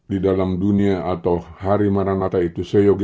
di dalam dunia atau hari maranata itu seyoganya